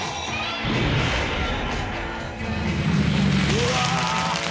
うわ。